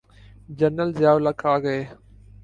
General Zia ul-Haq آ گئے۔